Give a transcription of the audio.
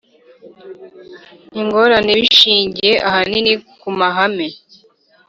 ingorane Bishingiye ahanini ku mahame